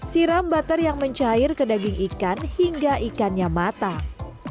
siram butter yang mencair ke daging ikan hingga ikannya matang